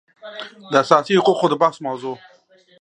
د اساسي حقوقو د بحث موضوع